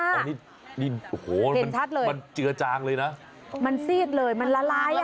อันนี้นี่โอ้โหมันชัดเลยมันเจือจางเลยนะมันซีดเลยมันละลาย